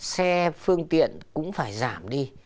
xe phương tiện cũng phải giảm đi